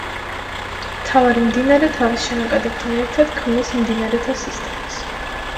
მთავარი მდინარე თავის შენაკადებთან ერთად ქმნის მდინარეთა სისტემას.